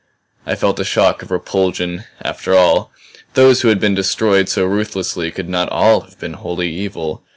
I felt a shock of repulsion. After all, those who had been destroyed so ruthlessly could not ALL have been wholly evil.